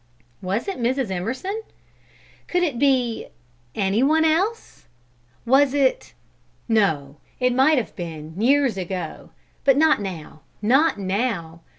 Was it Mrs. Emerson? Could it be any one else? Was it ? No, it might have been, years ago; but not now; not now!